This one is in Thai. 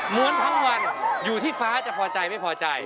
้วนทั้งวันอยู่ที่ฟ้าจะพอใจไม่พอใจ